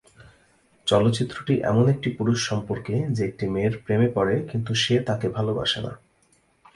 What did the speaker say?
চলচ্চিত্রটি এমন একটি পুরুষ সম্পর্কে যে একটি মেয়ের প্রেমে পড়ে কিন্তু সে তাকে ভালবাসে না।